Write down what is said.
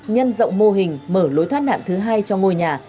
nhân rộng mô hình mở lối thoát nạn thứ hai cho ngôi nhà